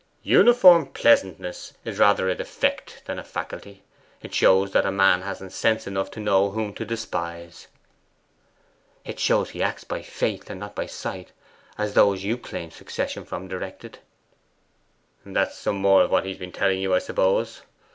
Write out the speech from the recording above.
'Uniform pleasantness is rather a defect than a faculty. It shows that a man hasn't sense enough to know whom to despise.' 'It shows that he acts by faith and not by sight, as those you claim succession from directed.' 'That's some more of what he's been telling you, I suppose!